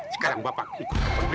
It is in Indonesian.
sekarang bapak ikut ke penulis